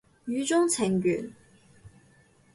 語中程緣